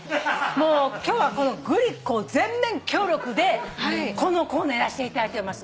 もう今日はこのグリコ全面協力でこのコーナーやらせていただいております。